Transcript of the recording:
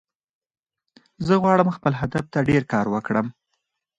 زه غواړم خپل هدف ته ډیر کار وکړم